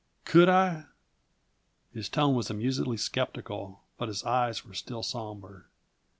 "Could I?" His tone was amusedly skeptical, but his eyes were still somber.